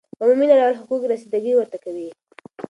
عمومی نړیوال حقوق رسیده ګی ورته کوی